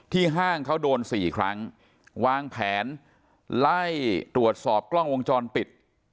ห้างเขาโดน๔ครั้งวางแผนไล่ตรวจสอบกล้องวงจรปิด